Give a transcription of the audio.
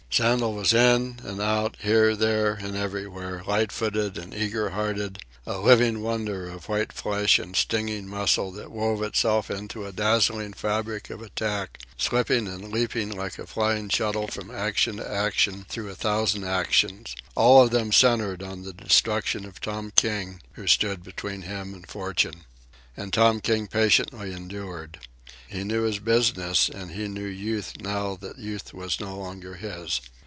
Sandel was in and out, here, there, and everywhere, light footed and eager hearted, a living wonder of white flesh and stinging muscle that wove itself into a dazzling fabric of attack, slipping and leaping like a flying shuttle from action to action through a thousand actions, all of them centred upon the destruction of Tom King, who stood between him and fortune. And Tom King patiently endured. He knew his business, and he knew Youth now that Youth was no longer his.